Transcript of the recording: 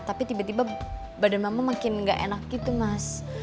tapi tiba tiba badan mama makin nggak enak gitu mas